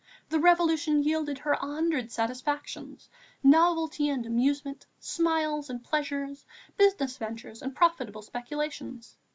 The Revolution yielded her a hundred satisfactions, novelty and amusement, smiles and pleasures, business ventures and profitable speculations.